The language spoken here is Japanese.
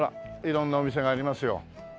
色んなお店がありますよ。